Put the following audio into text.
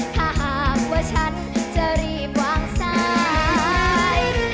ถ้าหากว่าฉันจะรีบวางสาย